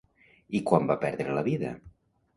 I quan va perdre la vida?